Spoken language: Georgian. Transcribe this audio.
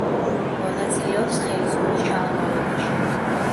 მონაწილეობს ხელისგულის ჩაღრმავებაში.